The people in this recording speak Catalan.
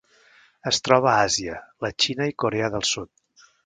Es troba a Àsia: la Xina i Corea del Sud.